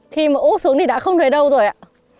khi mà úp xuống thì đã không thấy đâu rồi ạ